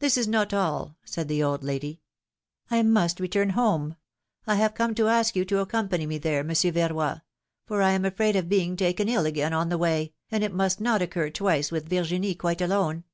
^^This is not all,^' said the old lady, must return home. I have come to ask you to accompany me there. Monsieur Verroy, for I am afraid of being taken ill again on the way, and it must not occur twice with Virginie quite alone.